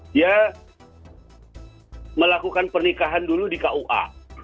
dia melakukan pernikahan dulu di kua